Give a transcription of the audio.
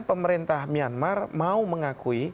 pemerintah myanmar mau mengakui